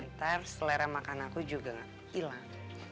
kita selera makan aku juga gak hilang